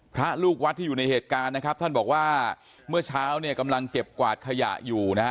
พระลูกวัดที่อยู่ในเหตุการณ์นะครับท่านบอกว่าเมื่อเช้าเนี่ยกำลังเก็บกวาดขยะอยู่นะฮะ